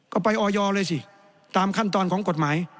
ก็ไปออยเลยสิตามขั้นตอนของกฎหมาย